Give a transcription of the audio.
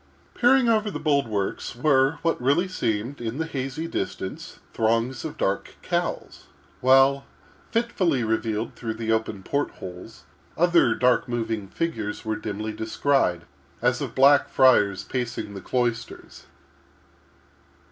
Peering over the bulwarks were what really seemed, in the hazy distance, throngs of dark cowls; while, fitfully revealed through the open port holes, other dark moving figures were dimly descried, as of Black Friars pacing the cloisters.